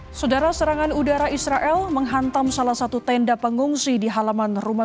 hai saudara serangan udara israel menghantam salah satu tenda pengungsi di halaman rumah